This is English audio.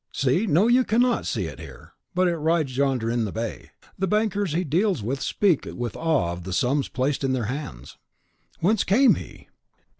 See, no, you cannot see it here; but it rides yonder in the bay. The bankers he deals with speak with awe of the sums placed in their hands." "Whence came he?"